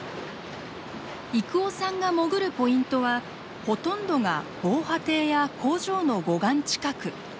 征夫さんが潜るポイントはほとんどが防波堤や工場の護岸近く。